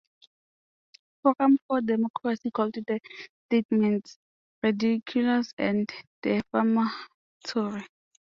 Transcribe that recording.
Forum for Democracy called the statements "ridiculous and defamatory".